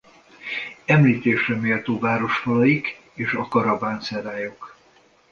Említésre méltó városfalaik és a karavánszerájok.